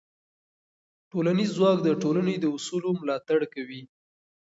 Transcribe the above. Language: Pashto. ټولنیز ځواک د ټولنې د اصولو ملاتړ کوي.